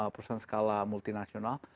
perusahaan skala multinasional